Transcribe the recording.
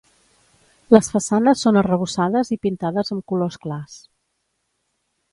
Les façanes són arrebossades i pintades amb colors clars.